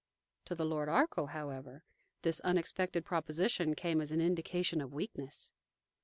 To the Lord Arkell, however, this unexpected proposition came as an indication of weakness.